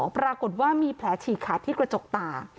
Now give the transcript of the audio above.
ปรากฏว่ามีแผลฉีกขาดที่กระจกตา